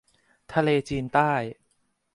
ทะเลจีนใต้